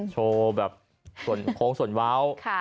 โชว์โผล่ศนวาว